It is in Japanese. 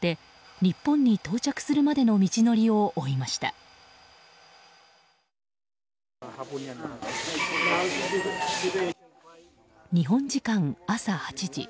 日本時間朝８時。